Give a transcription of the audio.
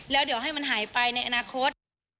แล้วเดี๋ยวให้มันหายไปในอนาคต